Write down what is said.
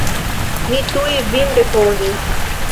Mi tuj vin rekonis.